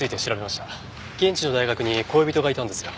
現地の大学に恋人がいたんですよ。